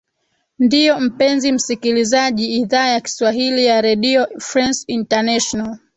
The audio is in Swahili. ndio mpenzi msikilizaji idhaa ya kiswahili ya redio france international